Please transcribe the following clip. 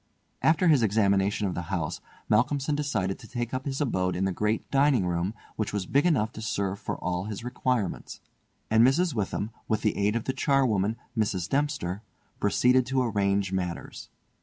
After his examination of the house, Malcolmson decided to take up his abode in the great dining room, which was big enough to serve for all his requirements; and Mrs. Witham, with the aid of the charwoman, Mrs. Dempster, proceeded to arrange matters.